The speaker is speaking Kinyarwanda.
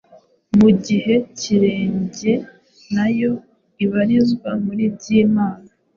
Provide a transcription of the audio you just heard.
mu gihe Kirenge nayo ibarizwa muri Byimana.